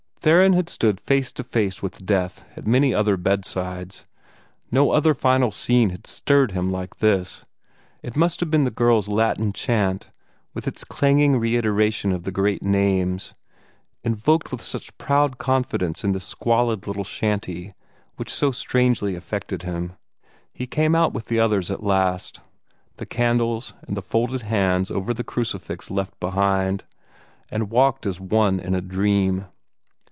Theron had stood face to face with death at many other bedsides; no other final scene had stirred him like this. It must have been the girl's Latin chant, with its clanging reiteration of the great names BEATUM MICHAELEM ARCHANGELUM, BEATUM JOANNEM BAPTISTAM, SANCTOS APOSTOLOS PETRUM ET PAULUM invoked with such proud confidence in this squalid little shanty, which so strangely affected him. He came out with the others at last the candles and the folded hands over the crucifix left behind and walked as one in a dream.